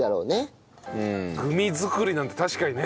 グミ作りなんて確かにね。